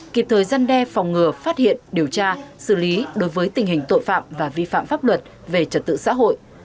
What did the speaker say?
kịp thời gian đe phòng ngừa phát hiện điều tra xử lý đối với tình hình tội phạm và vi phạm pháp luật về trật tự xã hội